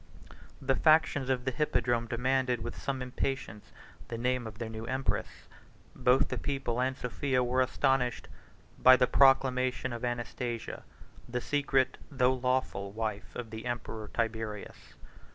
The factions of the hippodrome demanded, with some impatience, the name of their new empress: both the people and Sophia were astonished by the proclamation of Anastasia, the secret, though lawful, wife of the emperor Tiberius.